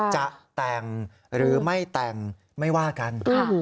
จะแต่งหรือไม่แต่งไม่ว่ากัน